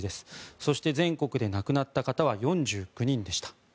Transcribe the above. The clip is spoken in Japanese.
そして、全国で亡くなった方は４９人でした。